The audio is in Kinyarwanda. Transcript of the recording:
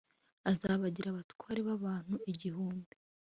azabagira abatware b'abantu igihumbi